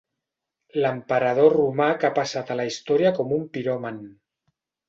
L'emperador romà que ha passat a la història com un piròman.